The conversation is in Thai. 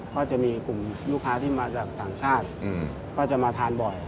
ก็จะมีกลุ่มลูกค้าที่มาจากต่างชาติก็จะมาทานบ่อย